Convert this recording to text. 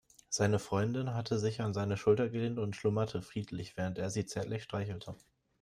Seine Freundin hatte sich an seine Schulter gelehnt und schlummerte friedlich, während er sie zärtlich streichelte.